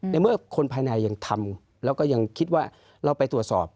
ในเมื่อคนภายในยังทำแล้วก็ยังคิดว่าเราไปตรวจสอบ